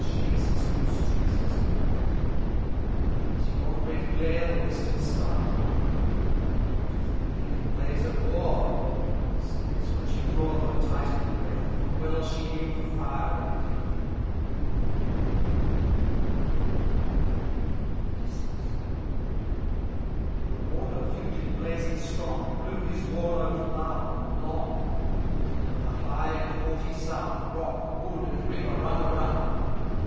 Shakes its loose tresses on the nignt . Is yon red glare the western star ?— O, tis the beacon blaze of war ! Scarce could she draw her tightened breath. For well she knew the fire of death I XXVI. The Warder view'd it blazing strong. And blew his wai^note loud and long. Till, at the high and haughty sound. Rode, wood, and river, rung around.